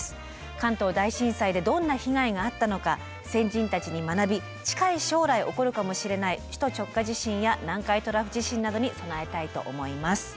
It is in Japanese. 関東大震災でどんな被害があったのか先人たちに学び近い将来起こるかもしれない首都直下地震や南海トラフ地震などに備えたいと思います。